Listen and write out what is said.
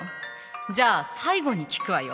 じゃあ最後に聞くわよ。